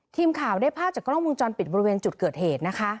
ทีมข่าวได้พากษ์จากกล้องมือจอนปิดบริเวณจุดเกิดเหตุ